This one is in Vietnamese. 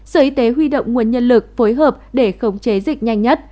sở y tế huy động nguồn nhân lực phối hợp để khống chế dịch nhanh nhất